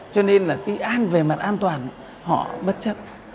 cho nên là về mặt an toàn họ bất chấp